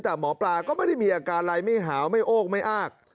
แต่หมอปลาก็ไม่ได้มีอาการอะไรไม่หาวไม่โอกไม่อ้าก